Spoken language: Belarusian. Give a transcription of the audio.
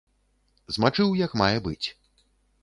Змачыў як мае быць.